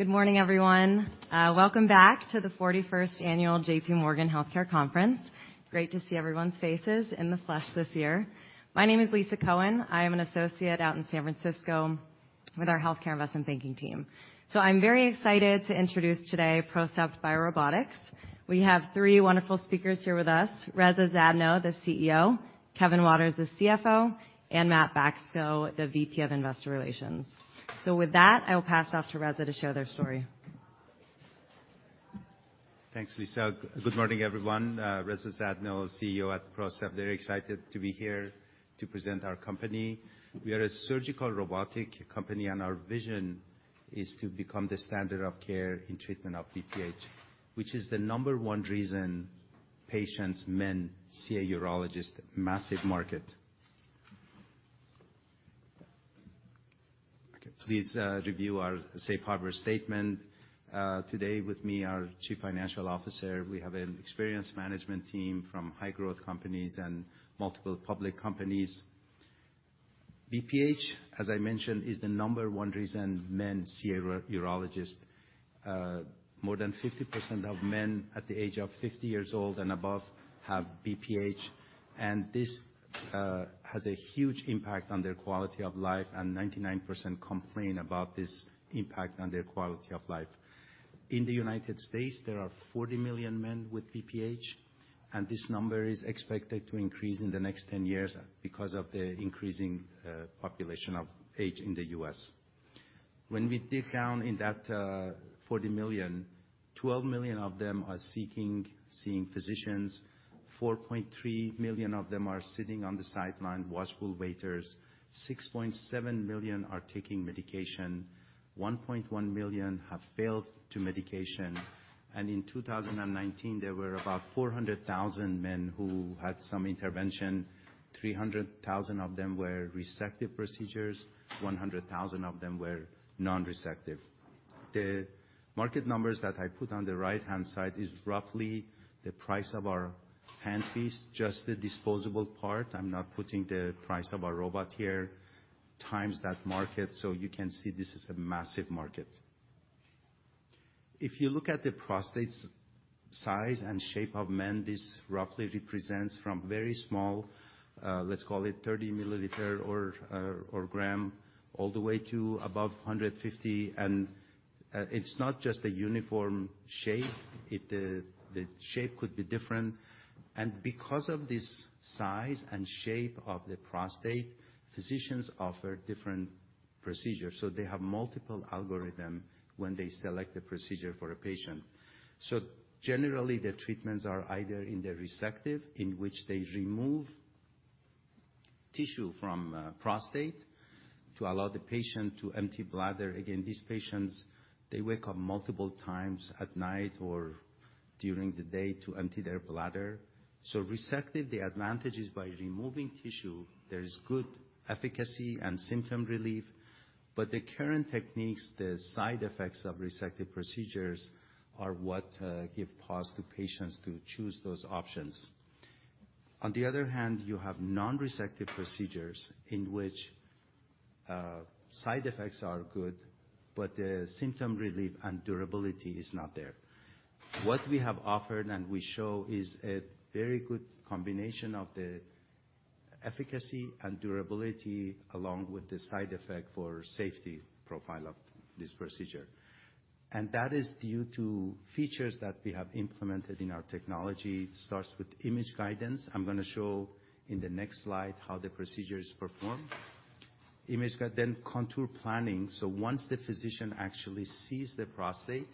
Good morning, everyone. Welcome back to the 41st annual J.P. Morgan Healthcare Conference. Great to see everyone's faces in the flesh this year. My name is Lisa Cohen. I am an Associate out in San Francisco with our healthcare investment banking team. I'm very excited to introduce today PROCEPT BioRobotics. We have three wonderful speakers here with us. Reza Zadno, the CEO, Kevin Waters, the CFO, and Matt Bacso, the VP of Investor Relations. With that, I will pass it off to Reza to share their story. Thanks, Lisa. Good morning, everyone. Reza Zadno, CEO at PROCEPT. Very excited to be here to present our company. We are a surgical robotic company, and our vision is to become the standard of care in treatment of BPH, which is the number one reason patients, men, see a urologist. Massive market. Please review our safe harbor statement. Today with me, our Chief Financial Officer. We have an experienced management team from high growth companies and multiple public companies. BPH, as I mentioned, is the number one reason men see a urologist. More than 50% of men at the age of 50 years old and above have BPH, and this has a huge impact on their quality of life, and 99% complain about this impact on their quality of life. In the United States, there are 40 million men with BPH. This number is expected to increase in the next 10 years because of the increasing population of age in the U.S. When we dig down in that 40 million, 12 million of them are seeing physicians, 4.3 million of them are sitting on the sideline, watchful waiters. 6.7 million are taking medication, 1.1 million have failed to medication. In 2019, there were about 400,000 men who had some intervention. 300,000 of them were resective procedures, 100,000 of them were non-resective. The market numbers that I put on the right-hand side is roughly the price of our handpiece, just the disposable part. I'm not putting the price of our robot here, times that market. You can see this is a massive market. If you look at the prostate's size and shape of men, this roughly represents from very small, let's call it 30 ml or or gram, all the way to above 150. It's not just a uniform shape. The shape could be different. Because of this size and shape of the prostate, physicians offer different procedures. They have multiple algorithm when they select the procedure for a patient. Generally, the treatments are either in the resective, in which they remove tissue from prostate to allow the patient to empty bladder. Again, these patients, they wake up multiple times at night or during the day to empty their bladder. Resective, the advantage is by removing tissue, there is good efficacy and symptom relief. The current techniques, the side effects of resective procedures are what give pause to patients to choose those options. On the other hand, you have non-resective procedures in which side effects are good, but the symptom relief and durability is not there. What we have offered and we show is a very good combination of the efficacy and durability along with the side effect for safety profile of this procedure. That is due to features that we have implemented in our technology. Starts with image guidance. I'm gonna show in the next slide how the procedure is performed. Contour planning. Once the physician actually sees the prostate,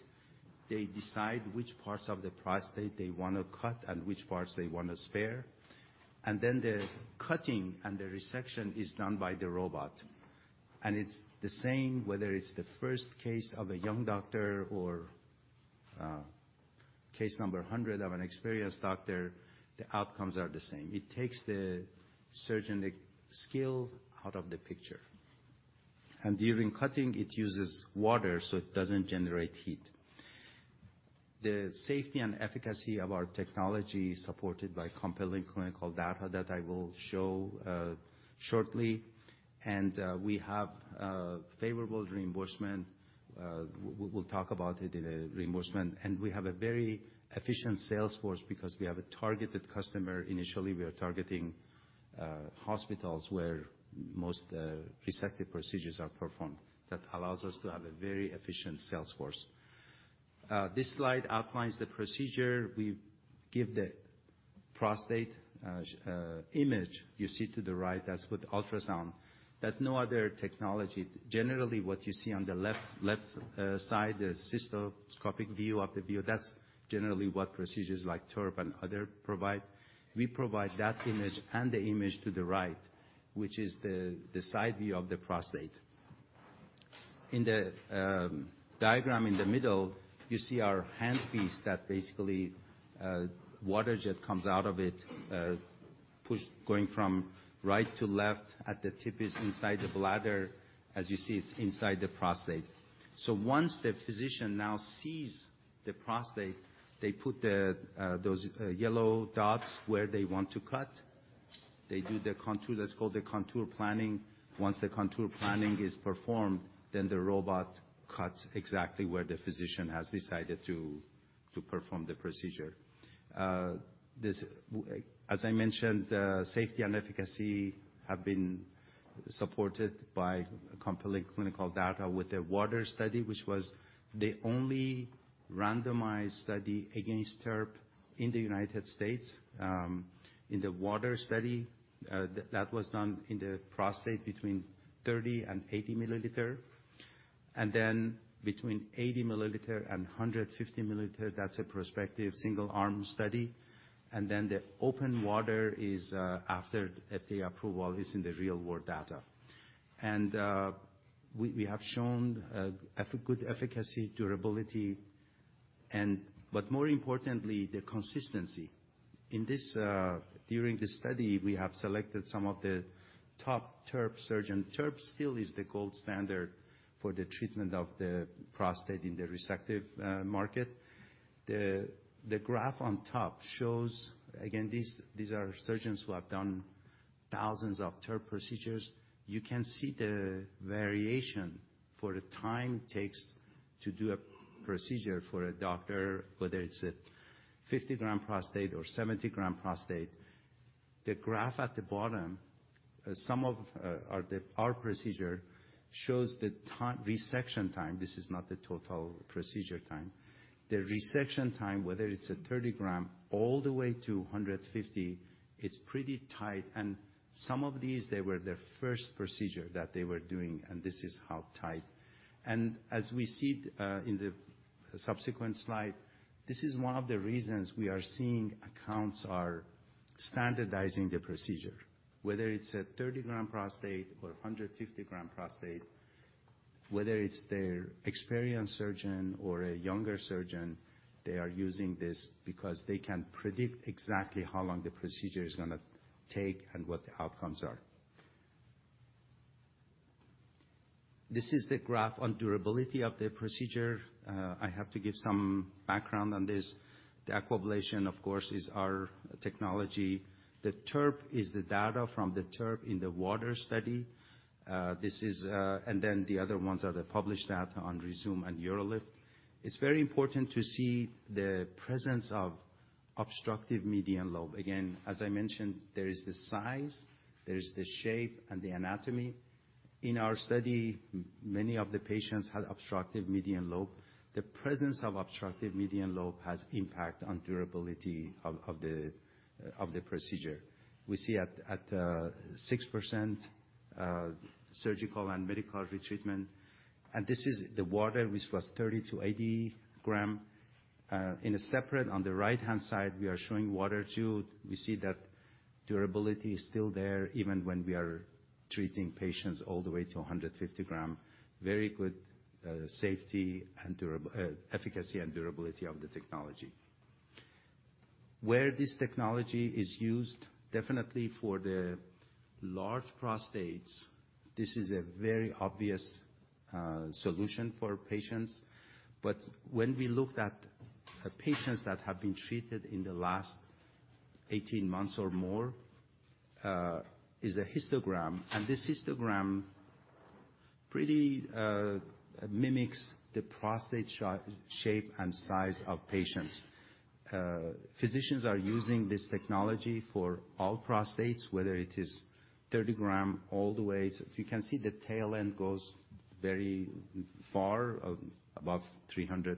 they decide which parts of the prostate they wanna cut and which parts they wanna spare. Then the cutting and the resection is done by the robot. It's the same whether it's the first case of a young doctor or case number 100 of an experienced doctor, the outcomes are the same. It takes the surgeon skill out of the picture. During cutting, it uses water, so it doesn't generate heat. The safety and efficacy of our technology is supported by compelling clinical data that I will show shortly. We have favorable reimbursement. We'll talk about it in a reimbursement. We have a very efficient sales force because we have a targeted customer. Initially, we are targeting hospitals where most resective procedures are performed. That allows us to have a very efficient sales force. This slide outlines the procedure. We give the prostate image you see to the right. That's with ultrasound. That no other technology... Generally, what you see on the left side, the cystoscopic view of the view, that's generally what procedures like TURP and other provide. We provide that image and the image to the right, which is the side view of the prostate. In the diagram in the middle, you see our handpiece that basically water jet comes out of it, pushed going from right to left at the tip is inside the bladder. As you see, it's inside the prostate. Once the physician now sees the prostate, they put the those yellow dots where they want to cut. They do the contour, let's call the contour planning. Once the contour planning is performed, then the robot cuts exactly where the physician has decided to perform the procedure. As I mentioned, the safety and efficacy have been supported by compelling clinical data with the WATER study, which was the only randomized study against TURP in the United States. In the WATER study, that was done in the prostate between 30 ml and 80 ml, and then between 80 ml and 150 ml, that's a prospective single-arm study. The OPEN WATER is, after FDA approval, is in the real-world data. We have shown good efficacy, durability, but more importantly, the consistency. In this, during this study, we have selected some of the top TURP surgeon. TURP still is the gold standard for the treatment of the prostate in the resective market. The graph on top shows, again, these are surgeons who have done thousands of TURP procedures. You can see the variation for the time it takes to do a procedure for a doctor, whether it's a 50g prostate or 70g prostate. The graph at the bottom, some of our procedure shows the resection time. This is not the total procedure time. The resection time, whether it's a 30g all the way to 150g, it's pretty tight. Some of these, they were their first procedure that they were doing, and this is how tight. As we see in the subsequent slide, this is one of the reasons we are seeing accounts are standardizing the procedure. Whether it's a 30g prostate or a 150g prostate, whether it's their experienced surgeon or a younger surgeon, they are using this because they can predict exactly how long the procedure is gonna take and what the outcomes are. This is the graph on durability of the procedure. I have to give some background on this. The Aquablation, of course, is our technology. The TURP is the data from the TURP in the WATER study. The other ones are the published data on Rezūm and UroLift. It's very important to see the presence of obstructive median lobe. As I mentioned, there is the size, there is the shape and the anatomy. In our study, many of the patients had obstructive median lobe. The presence of obstructive median lobe has impact on durability of the procedure. We see at 6% surgical and medical retreatment. This is the WATER, which was 30-80g. In a separate, on the right-hand side, we are showing WATER II. We see that durability is still there even when we are treating patients all the way to 150g. Very good safety and efficacy and durability of the technology. Where this technology is used, definitely for the large prostates. This is a very obvious solution for patients. When we looked at patients that have been treated in the last 18 months or more, is a histogram. This histogram pretty mimics the prostate shape and size of patients. Physicians are using this technology for all prostates, whether it is 30g all the way. You can see the tail end goes very far, above 300g.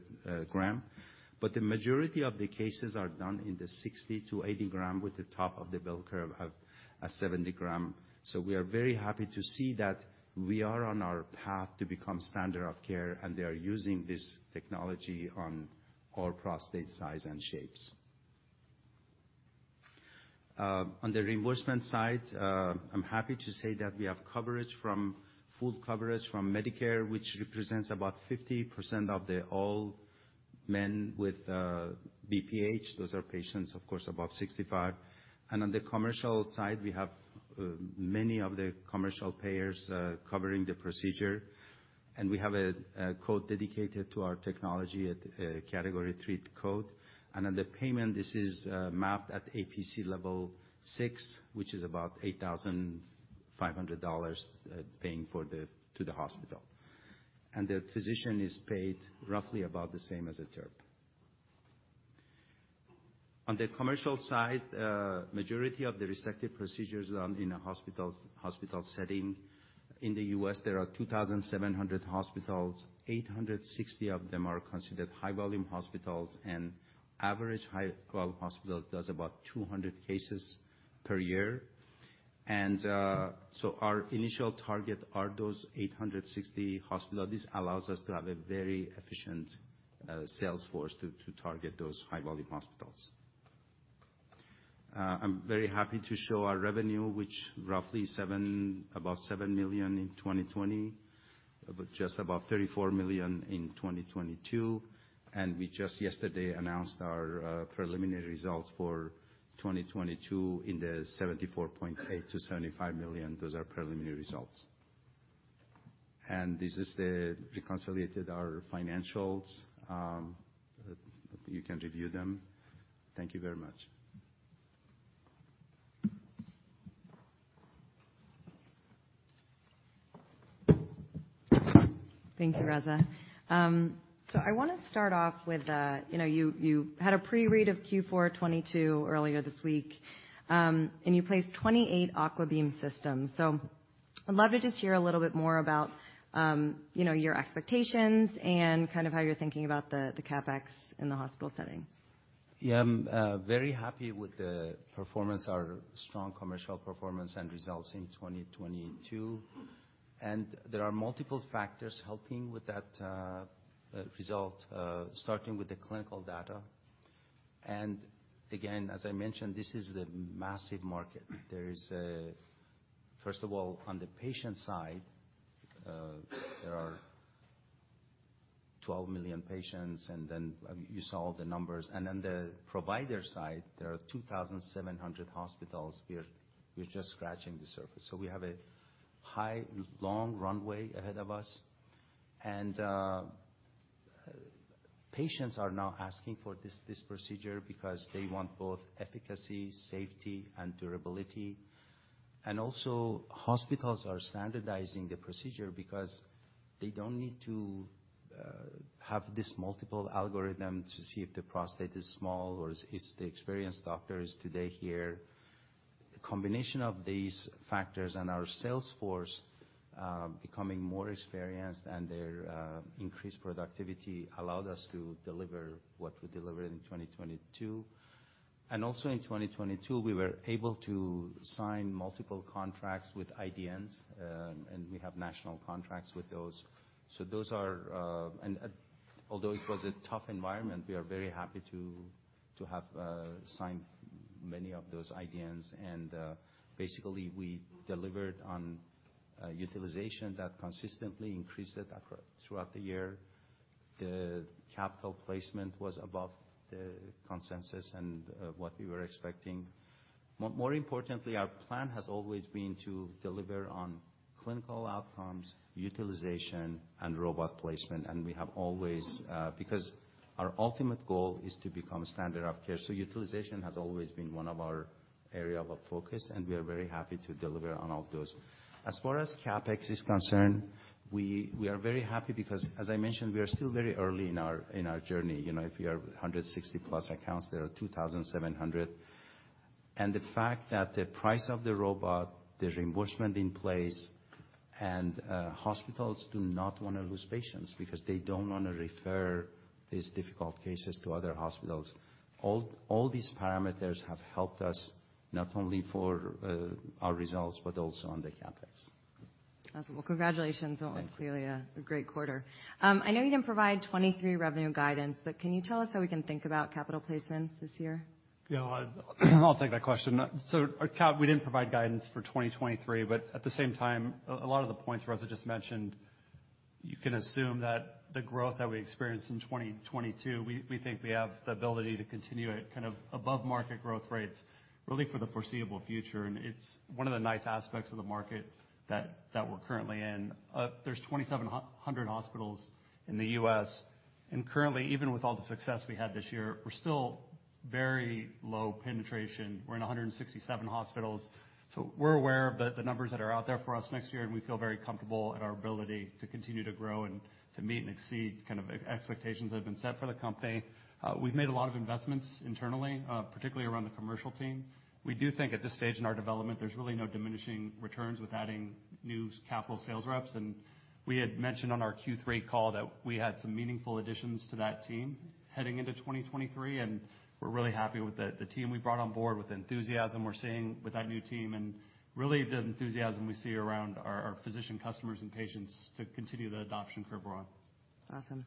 The majority of the cases are done in the 60 to 80 gram, with the top of the bell curve at 70g. We are very happy to see that we are on our path to become standard of care, and they are using this technology on all prostate size and shapes. On the reimbursement side, I'm happy to say that we have full coverage from Medicare, which represents about 50% of the all men with BPH. Those are patients, of course, above 65. On the commercial side, we have many of the commercial payers covering the procedure. We have a code dedicated to our technology at Category III code. On the payment, this is mapped at APC Level 6, which is about $8,500 paying to the hospital. The physician is paid roughly about the same as a TURP. On the commercial side, majority of the resective procedures are done in a hospitals, hospital setting. In the U.S., there are 2,700 hospitals. 860 of them are considered high-volume hospitals, average high-vol hospital does about 200 cases per year. Our initial target are those 860 hospital. This allows us to have a very efficient sales force to target those high-volume hospitals. I'm very happy to show our revenue, which roughly about $7 million in 2020, about just about $34 million in 2022, and we just yesterday announced our preliminary results for 2022 in the $74.8 million-$75 million. Those are preliminary results. We consolidated our financials. You can review them. Thank you very much. Thank you, Reza. I want to start off with, you know, you had a pre-read of Q4 2022 earlier this week, and you placed 28 AQUABEAM Systems. I'd love to just hear a little bit more about, you know, your expectations and kind of how you're thinking about the CapEx in the hospital setting. Yeah, I'm very happy with the performance, our strong commercial performance and results in 2022. There are multiple factors helping with that result, starting with the clinical data. Again, as I mentioned, this is the massive market. First of all, on the patient side, there are 12 million patients, and then you saw the numbers. On the provider side, there are 2,700 hospitals. We're just scratching the surface. We have a high, long runway ahead of us. Patients are now asking for this procedure because they want both efficacy, safety and durability. Also hospitals are standardizing the procedure because they don't need to have this multiple algorithm to see if the prostate is small or is the experienced doctor is today here. The combination of these factors and our sales force, becoming more experienced and their increased productivity allowed us to deliver what we delivered in 2022. Also in 2022, we were able to sign multiple contracts with IDNs, and we have national contracts with those. Those are. Although it was a tough environment, we are very happy to have signed many of those IDNs. Basically we delivered on utilization that consistently increased it throughout the year. The capital placement was above the consensus and what we were expecting. More importantly, our plan has always been to deliver on clinical outcomes, utilization and robot placement. We have always, because our ultimate goal is to become standard of care. Utilization has always been one of our area of focus, and we are very happy to deliver on all those. As far as CapEx is concerned, we are very happy because, as I mentioned, we are still very early in our journey. You know, if you have 160+ accounts, there are 2,700. The fact that the price of the robot, the reimbursement in place, and hospitals do not wanna lose patients because they don't wanna refer these difficult cases to other hospitals. All these parameters have helped us, not only for our results, but also on the CapEx. Awesome. Well, congratulations. Thank you. It was clearly a great quarter. I know you didn't provide 2023 revenue guidance, but can you tell us how we can think about capital placements this year? Yeah, I'll take that question. Our CapEx, we didn't provide guidance for 2023. At the same time, a lot of the points Reza just mentioned, you can assume that the growth that we experienced in 2022, we think we have the ability to continue at kind of above market growth rates really for the foreseeable future. It's one of the nice aspects of the market that we're currently in. There's 2,700 hospitals in the U.S. Currently, even with all the success we had this year, we're still very low penetration. We're in 167 hospitals. We're aware of the numbers that are out there for us next year, and we feel very comfortable in our ability to continue to grow and to meet and exceed kind of expectations that have been set for the company. We've made a lot of investments internally, particularly around the commercial team. We do think at this stage in our development, there's really no diminishing returns with adding new capital sales reps. We had mentioned on our Q3 call that we had some meaningful additions to that team heading into 2023, and we're really happy with the team we brought on board, with the enthusiasm we're seeing with that new team, and really the enthusiasm we see around our physician customers and patients to continue the adoption curve we're on. Awesome.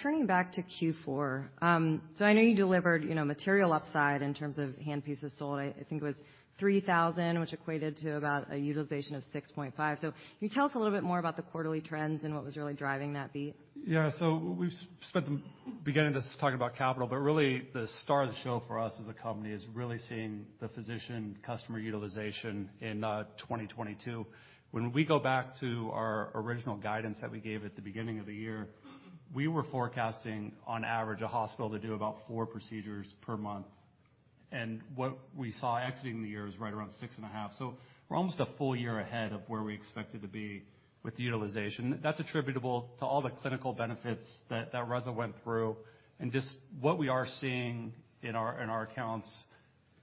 Turning back to Q4, I know you delivered, you know, material upside in terms of handpieces sold. I think it was 3,000, which equated to about a utilization of 6.5. Can you tell us a little bit more about the quarterly trends and what was really driving that beat? We've spent the beginning just talking about capital, but really the star of the show for us as a company is really seeing the physician customer utilization in 2022. When we go back to our original guidance that we gave at the beginning of the year, we were forecasting on average a hospital to do about four procedures per month. What we saw exiting the year is right around 6.5. We're almost a full year ahead of where we expected to be with the utilization. That's attributable to all the clinical benefits that Reza went through. Just what we are seeing in our, in our accounts,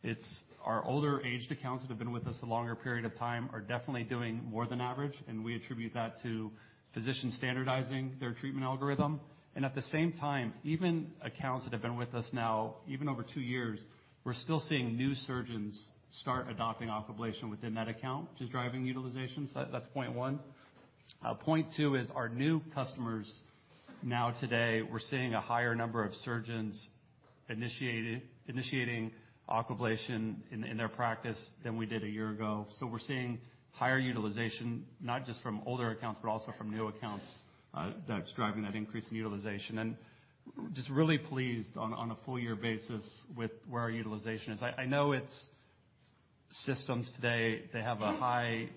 it's our older aged accounts that have been with us a longer period of time are definitely doing more than average, and we attribute that to physician standardizing their treatment algorithm. At the same time, even accounts that have been with us now, even over two years, we're still seeing new surgeons start adopting Aquablation within that account, which is driving utilization. That's point one. Point two is our new customers now today, we're seeing a higher number of surgeons initiating Aquablation in their practice than we did 1 year ago. We're seeing higher utilization, not just from older accounts, but also from new accounts, that's driving that increase in utilization. Just really pleased on a full year basis with where our utilization is. I know Systems today, they have a high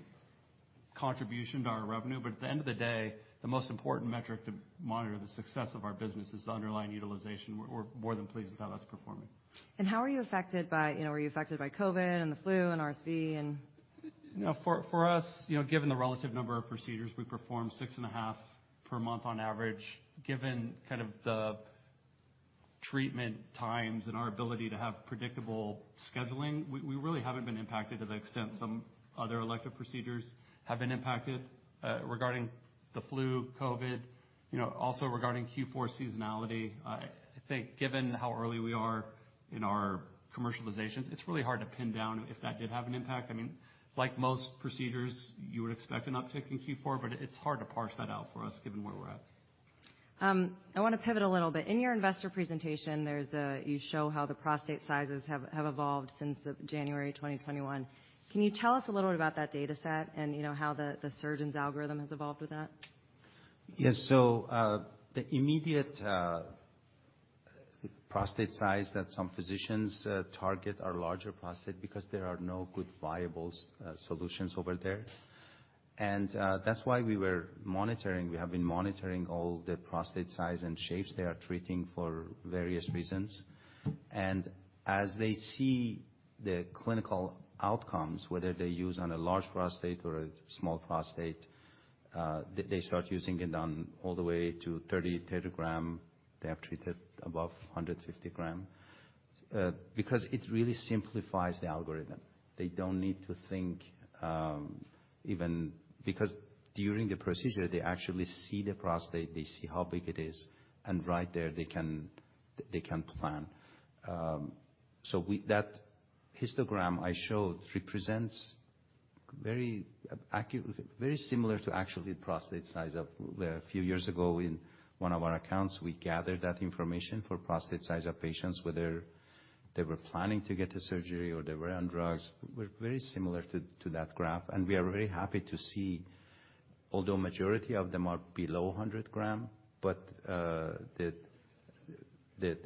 contribution to our revenue, but at the end of the day, the most important metric to monitor the success of our business is the underlying utilization. We're more than pleased with how that's performing. How are you affected by, you know, were you affected by COVID and the flu and RSV and...? You know, for us given the relative number of procedures we perform 6.5 per month on average, given kind of the treatment times and our ability to have predictable scheduling, we really haven't been impacted to the extent some other elective procedures have been impacted. Regarding the flu, COVID, you know, also regarding Q4 seasonality, I think given how early we are in our commercializations, it's really hard to pin down if that did have an impact. I mean, like most procedures, you would expect an uptick in Q4, but it's hard to parse that out for us given where we're at. I wanna pivot a little bit. In your investor presentation, You show how the prostate sizes have evolved since January 2021. Can you tell us a little bit about that data set and, you know, how the surgeon's algorithm has evolved with that? Yes. The immediate prostate size that some physicians target are larger prostate because there are no good viable solutions over there. That's why we were monitoring. We have been monitoring all the prostate size and shapes they are treating for various reasons. As they see the clinical outcomes, whether they use on a large prostate or a small prostate, they start using it on all the way to 30g. They have treated above 150g. Because it really simplifies the algorithm. They don't need to think. Because during the procedure, they actually see the prostate, they see how big it is, and right there they can plan. That histogram I showed represents very similar to actually prostate size of a few years ago in one of our accounts. We gathered that information for prostate size of patients, whether they were planning to get the surgery or they were on drugs, were very similar to that graph. We are very happy to see, although majority of them are below 100g, but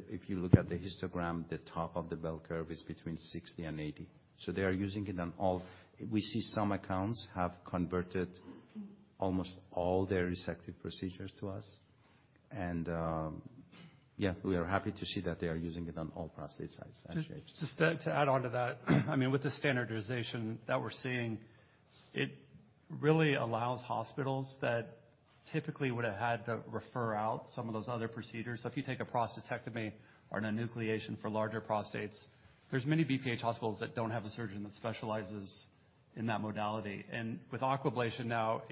If you look at the histogram, the top of the bell curve is between 60 and 80. They are using it on all. We see some accounts have converted almost all their resective procedures to us. Yeah, we are happy to see that they are using it on all prostate size and shapes. Just to add on to that. I mean, with the standardization that we're seeing, it really allows hospitals that typically would have had to refer out some of those other procedures. So if you take a prostatectomy or enucleation for larger prostates, there's many BPH hospitals that don't have a surgeon that specializes in that modality. And with Aquablation now,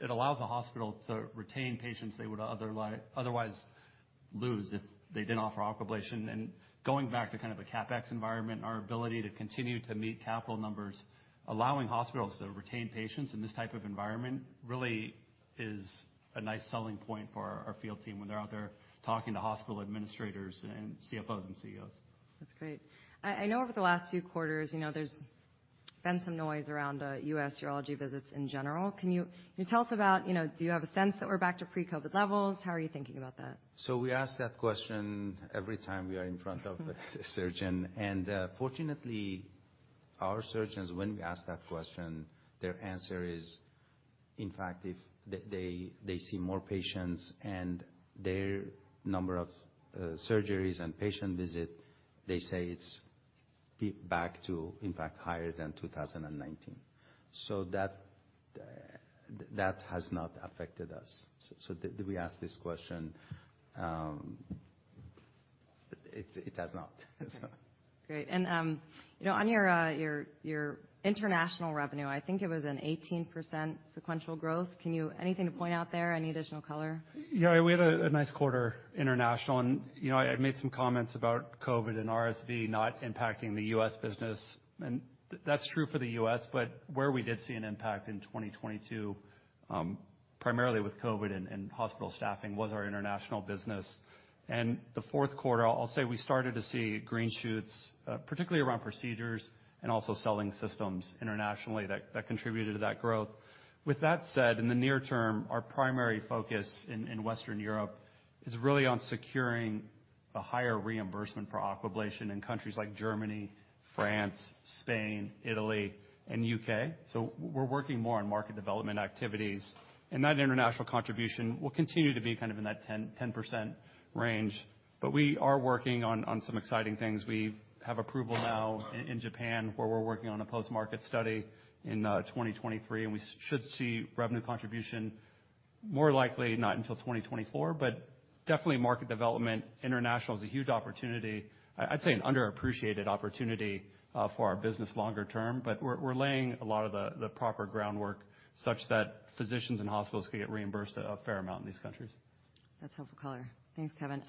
it allows a hospital to retain patients they would otherwise lose if they didn't offer Aquablation. And going back to kind of a CapEx environment, our ability to continue to meet capital numbers, allowing hospitals to retain patients in this type of environment really is a nice selling point for our field team when they're out there talking to hospital administrators and CFOs and CEOs. That's great. I know over the last few quarters, you know, there's been some noise around U.S. urology visits in general. Can you tell us about, you know, do you have a sense that we're back to pre-COVID levels? How are you thinking about that? We ask that question every time we are in front of a surgeon. Fortunately, our surgeons, when we ask that question, their answer is, in fact, if they see more patients and their number of surgeries and patient visit, they say it's back to, in fact, higher than 2019. That has not affected us. We ask this question, it has not. Great. You know, on your international revenue, I think it was an 18% sequential growth. Anything to point out there? Any additional color? Yeah. We had a nice quarter international and, you know, I made some comments about COVID and RSV not impacting the U.S. business. That's true for the U.S., but where we did see an impact in 2022, primarily with COVID and hospital staffing, was our international business. The fourth quarter, I'll say we started to see green shoots, particularly around procedures and also selling systems internationally that contributed to that growth. With that said, in the near term, our primary focus in Western Europe is really on securing a higher reimbursement for Aquablation in countries like Germany, France, Spain, Italy, and U.K. We're working more on market development activities, and that international contribution will continue to be kind of in that 10% range. We are working on some exciting things. We have approval now in Japan, where we're working on a post-market study in 2023, and we should see revenue contribution more likely not until 2024. Definitely market development international is a huge opportunity. I'd say an underappreciated opportunity for our business longer term. We're laying a lot of the proper groundwork such that physicians and hospitals can get reimbursed a fair amount in these countries. That's helpful color. Thanks, Kevin.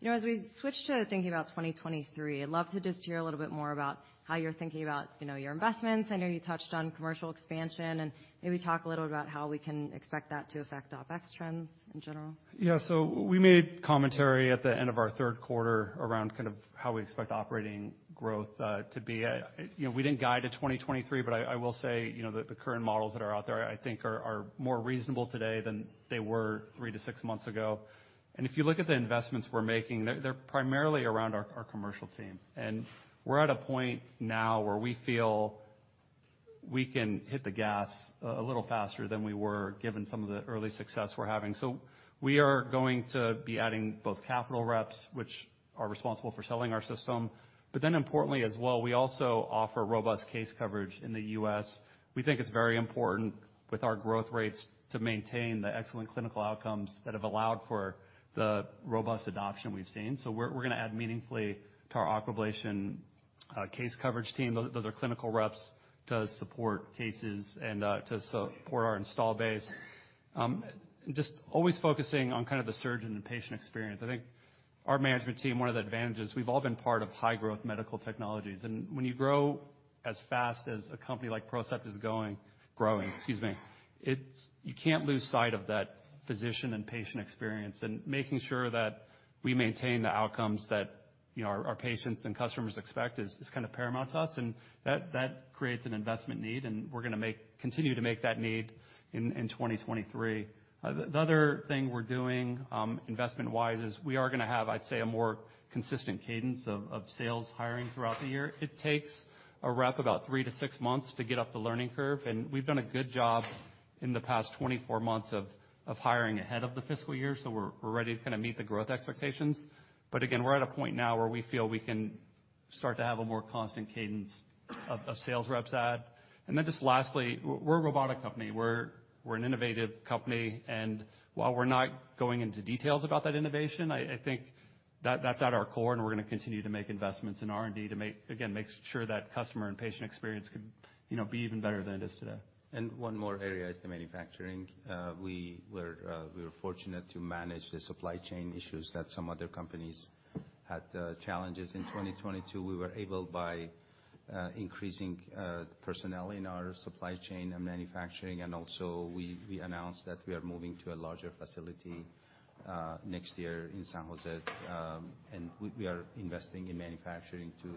you know, as we switch to thinking about 2023, I'd love to just hear a little bit more about how you're thinking about, you know, your investments. I know you touched on commercial expansion, and maybe talk a little about how we can expect that to affect OpEx trends in general. We made commentary at the end of our third quarter around kind of how we expect operating growth to be. You know, we didn't guide to 2023, but I will say, you know, the current models that are out there I think are more reasonable today than they were three to six months ago. If you look at the investments we're making, they're primarily around our commercial team. We're at a point now where we feel we can hit the gas a little faster than we were, given some of the early success we're having. We are going to be adding both capital reps, which are responsible for selling our system. Importantly as well, we also offer robust case coverage in the U.S. We think it's very important with our growth rates to maintain the excellent clinical outcomes that have allowed for the robust adoption we've seen. We're gonna add meaningfully to our Aquablation case coverage team. Those are clinical reps to support cases and to support our install base. Just always focusing on kind of the surgeon and patient experience. I think our management team, one of the advantages, we've all been part of high-growth medical technologies. When you grow as fast as a company like PROCEPT is growing, excuse me, you can't lose sight of that physician and patient experience. Making sure that we maintain the outcomes that, you know, our patients and customers expect is kind of paramount to us, and that creates an investment need, and we're gonna continue to make that need in 2023. The other thing we're doing investment-wise is we are gonna have, I'd say, a more consistent cadence of sales hiring throughout the year. It takes a rep about three to six months to get up the learning curve, and we've done a good job in the past 24 months of hiring ahead of the fiscal year. We're ready to kinda meet the growth expectations. Again, we're at a point now where we feel we can start to have a more constant cadence of sales reps add. Then just lastly, we're a robotic company. We're an innovative company, and while we're not going into details about that innovation, I think that's at our core, and we're gonna continue to make investments in R&D to make, again, make sure that customer and patient experience can, you know, be even better than it is today. One more area is the manufacturing. We were fortunate to manage the supply chain issues that some other companies had challenges in 2022. We were able by increasing personnel in our supply chain and manufacturing, also we announced that we are moving to a larger facility next year in San Jose. We are investing in manufacturing to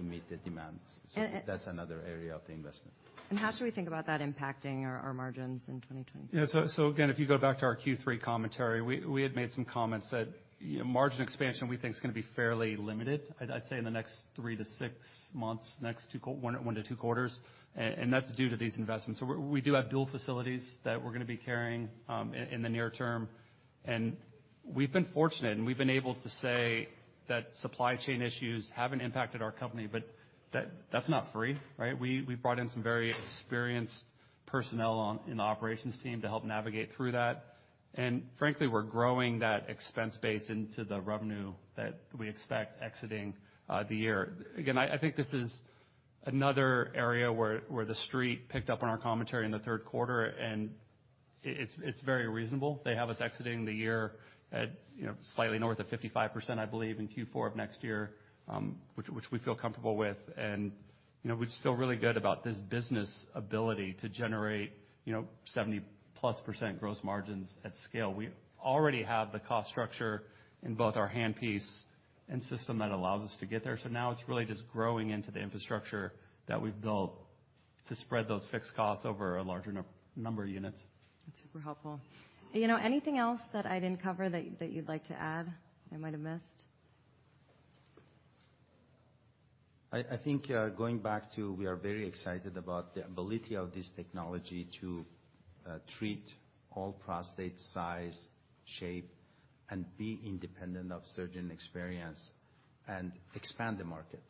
meet the demands. And, and- That's another area of the investment. How should we think about that impacting our margins in 2023? Again, if you go back to our Q3 commentary, we had made some comments that, you know, margin expansion, we think is gonna be fairly limited. I'd say in the next three to six months. Next one to two quarters. That's due to these investments. We do have dual facilities that we're gonna be carrying in the near term. We've been fortunate, and we've been able to say that supply chain issues haven't impacted our company, but that's not free, right? We've brought in some very experienced personnel on in the operations team to help navigate through that. Frankly, we're growing that expense base into the revenue that we expect exiting the year. Again, I think this is another area where the Street picked up on our commentary in the third quarter, and it's very reasonable. They have us exiting the year at, you know, slightly north of 55%, I believe, in Q4 of next year, which we feel comfortable with. We feel really good about this business ability to generate, you know, 70%+ gross margins at scale. We already have the cost structure in both our handpiece and system that allows us to get there. Now it's really just growing into the infrastructure that we've built to spread those fixed costs over a larger number of units. That's super helpful. You know, anything else that I didn't cover that you'd like to add that I might have missed? I think, going back to we are very excited about the ability of this technology to treat all prostate size, shape, and be independent of surgeon experience and expand the market.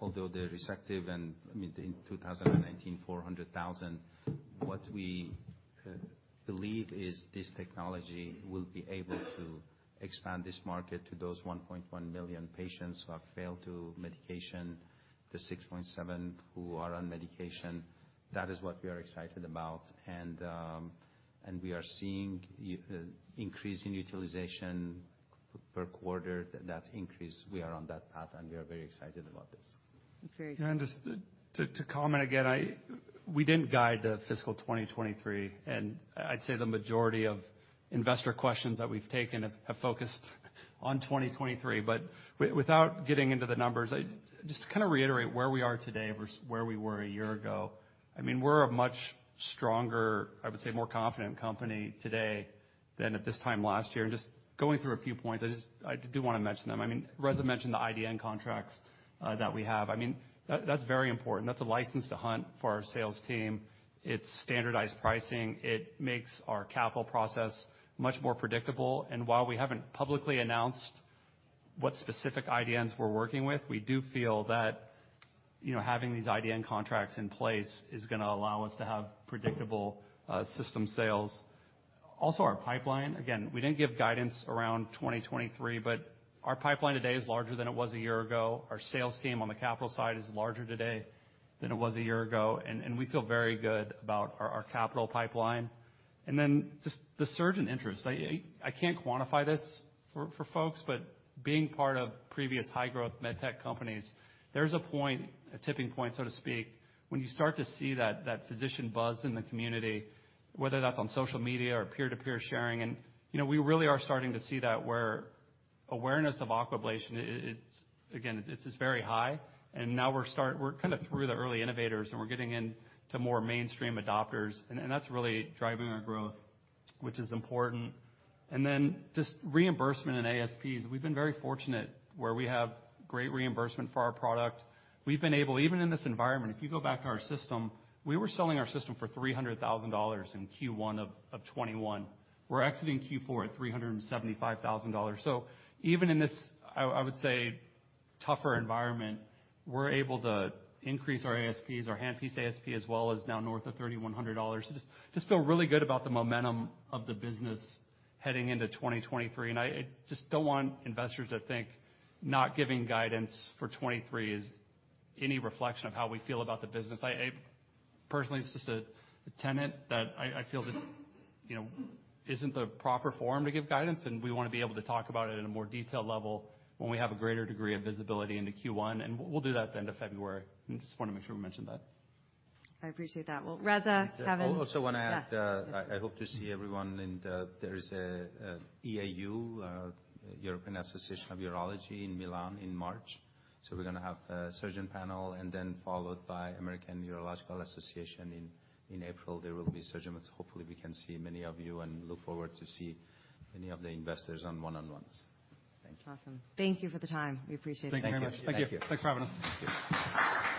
Although the resective and, I mean, in 2019, 400,000, what we believe is this technology will be able to expand this market to those 1.1 million patients who have failed to medication, the 6.7 million who are on medication. That is what we are excited about. We are seeing increase in utilization per quarter. That increase, we are on that path, and we are very excited about this. That's very exciting. Just to comment again, we didn't guide the fiscal 2023, and I'd say the majority of investor questions that we've taken have focused on 2023. Without getting into the numbers, just to kind of reiterate where we are today versus where we were a year ago, I mean, we're a much stronger, I would say, more confident company today than at this time last year. Just going through a few points, I do wanna mention them. I mean, Reza mentioned the IDN contracts that we have. I mean, that's very important. That's a license to hunt for our sales team. It's standardized pricing. It makes our capital process much more predictable. While we haven't publicly announced what specific IDNs we're working with, we do feel that, you know, having these IDN contracts in place is going to allow us to have predictable system sales. Our pipeline. Again, we didn't give guidance around 2023, but our pipeline today is larger than it was a year ago. Our sales team on the capital side is larger today than it was a year ago, and we feel very good about our capital pipeline. Just the surgeon interest. I can't quantify this for folks, but being part of previous high-growth med tech companies, there's a point, a tipping point, so to speak, when you start to see that physician buzz in the community, whether that's on social media or peer-to-peer sharing. You know, we really are starting to see that where awareness of Aquablation, it's just very high. Now we're kind of through the early innovators, and we're getting into more mainstream adopters, and that's really driving our growth, which is important. Just reimbursement and ASPs. We've been very fortunate where we have great reimbursement for our product. We've been able, even in this environment, if you go back to our system, we were selling our system for $300,000 in Q1 of 2021. We're exiting Q4 at $375,000. Even in this, I would say, tougher environment, we're able to increase our ASPs. Our handpiece ASP as well is now north of $3,100. Just feel really good about the momentum of the business heading into 2023. I just don't want investors to think not giving guidance for 2023 is any reflection of how we feel about the business. Personally, it's just a tenet that I feel this, you know, isn't the proper forum to give guidance, and we wanna be able to talk about it in a more detailed level when we have a greater degree of visibility into Q1. We'll do that at the end of February. I just wanna make sure we mention that. I appreciate that. Well, Reza, Kevin- I also wanna. Yes. I hope to see everyone in the... There is a EAU, European Association of Urology in Milan in March. We're gonna have a surgeon panel, and then followed by American Urological Association in April. There will be surgeons. Hopefully, we can see many of you and look forward to see many of the investors on one-on-ones. Thank you. Awesome. Thank you for the time. We appreciate it. Thank you very much. Thank you. Thanks for having us. Thank you.